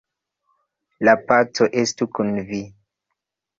La paco estu kun vi!